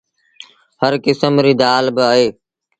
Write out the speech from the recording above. هر ڪسم ريٚ دآل با اهي۔